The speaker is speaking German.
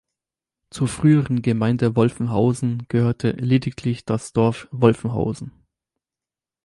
Zur früheren Gemeinde Wolfenhausen gehörte lediglich das Dorf Wolfenhausen.